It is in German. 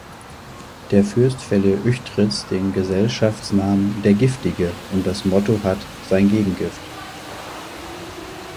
Der Fürst verlieh Uechtritz den Gesellschaftsnamen "der Giftige" und das Motto "hat sein Gegengift".